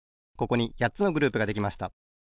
ここにやっつのグループができました。